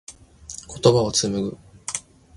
言葉を紡ぐ。